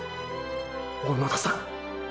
小野田さん！！